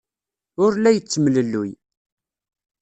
Ur la yettemlelluy.